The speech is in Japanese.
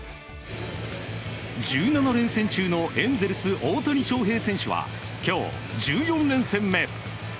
１７連戦中のエンゼルス大谷翔平選手は今日、１４連戦目。